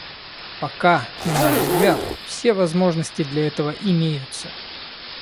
Пока, на наш взгляд, все возможности для этого имеются.